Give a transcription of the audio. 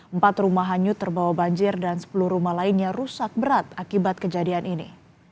empat rumah hanyut terbawa banjir dan sepuluh rumah lainnya rusak berat akibat kejadian ini